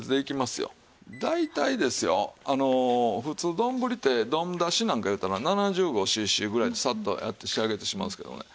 大体ですよ普通どんぶりって丼だしなんかいうたら７５シーシーぐらいでさっとやって仕上げてしまうんですけどもね。